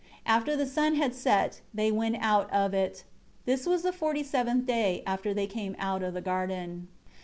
After the sun had set, they went out of it. This was the forty seventh day after they came out of the garden.